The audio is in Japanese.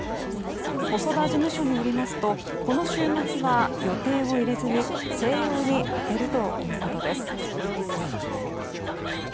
細田事務所によりますとこの週末は予定を入れずに静養に充てるということです。